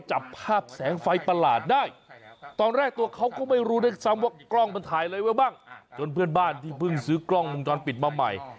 จนเพื่อนบ้านที่เพิ่งซื้อกล้องมึงตอนปิดมาใหม่